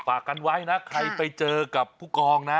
ฝากกันไว้นะใครไปเจอกับผู้กองนะ